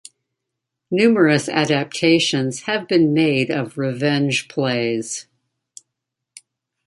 Numerous adaptations have been made of revenge plays.